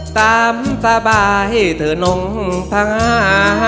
ตามสบายเถอะน้องพงา